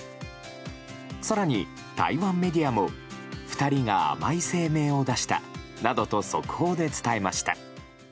更に、台湾メディアも２人が甘い声明を出したなどと速報で伝えました。